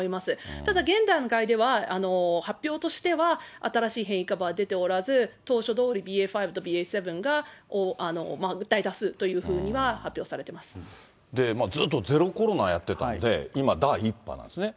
ただ現段階では、発表としては新しい変異株は出ておらず、当初どおりＢＡ．５とＢＡ．７が大多数というふうには発表されてずっとゼロコロナやってたんで、今、第１波なんですね。